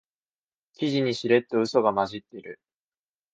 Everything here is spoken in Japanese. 記事にしれっとウソが混じってる